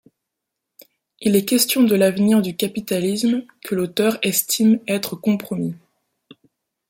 Il y est question de l'avenir du capitalisme que l'auteur estime être compromis.